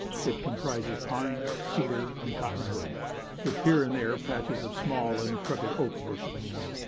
It comprises pine, cedar, and cotton wood, with here and there patches of small and crooked oak bushes.